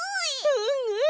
うんうん！